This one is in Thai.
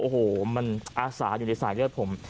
โอ้โหมันอาสาอยู่ในสายเลือดผม